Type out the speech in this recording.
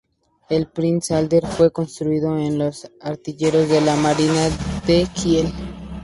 El "Prinz Adalbert" fue construido en los astilleros de la marina de Kiel.